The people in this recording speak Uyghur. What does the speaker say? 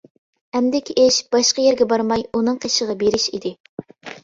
ئەمدىكى ئىش باشقا يەرگە بارماي ئۇنىڭ قېشىغا بېرىش ئىدى.